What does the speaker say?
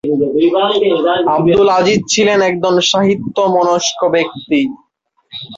আবদুল আজীজ ছিলেন একজন সাহিত্য মনস্ক ব্যক্তি।